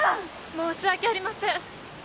申し訳ありません。